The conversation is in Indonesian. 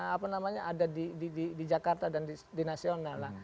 apa namanya ada di jakarta dan di nasional